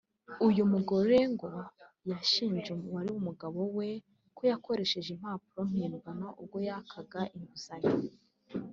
uyu mugore ngo yashinje uwari umugabo we ko yakoresheje impapuro mpimbano ubwo yakaga inguzanyo